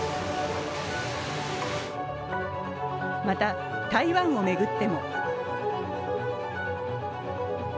また、台湾を巡っても